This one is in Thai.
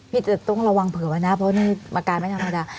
พี่จะต้องระวังเผื่อว่าน่ะเพราะนี่อาการไม่ทำให้ได้